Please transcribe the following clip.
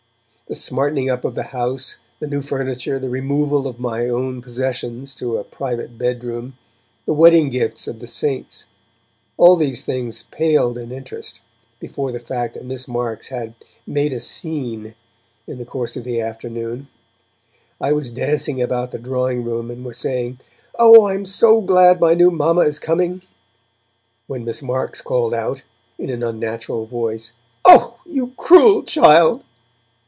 The smartening up of the house, the new furniture, the removal of my own possessions to a private bedroom, the wedding gifts of the 'saints', all these things paled in interest before the fact that Miss Marks had 'made a scene', in the course of the afternoon. I was dancing about the drawing room, and was saying: 'Oh! I am so glad my new Mamma is coming,' when Miss Marks called out, in an unnatural voice, 'Oh! you cruel child.'